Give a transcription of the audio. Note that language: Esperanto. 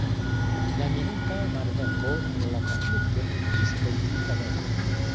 La milita malvenko en la konflikto iĝis politika venko.